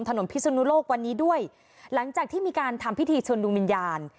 พิสุนุโลกวันนี้ด้วยหลังจากที่มีการทำพิธีเชิญดวงวิญญาณ